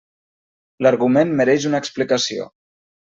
L'argument mereix una explicació.